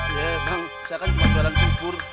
ya emang saya kan cuma jualan bukur